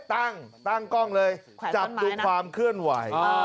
ตั้งตั้งกล้องเลยจับดูความเคลื่อนไหว